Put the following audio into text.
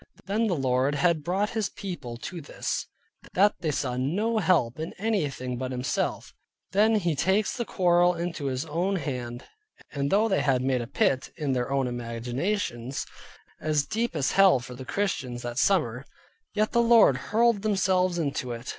When the Lord had brought His people to this, that they saw no help in anything but Himself; then He takes the quarrel into His own hand; and though they had made a pit, in their own imaginations, as deep as hell for the Christians that summer, yet the Lord hurled themselves into it.